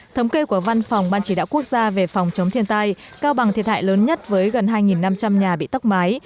thống kê của văn phòng ban chỉ đạo quốc gia về phòng chống thiên tai cao bằng thiệt hại lớn nhất với gần hai năm trăm linh nhà bị tốc mái